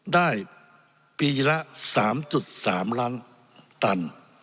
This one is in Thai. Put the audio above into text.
ได้ปีละ๓๓ล้านตัน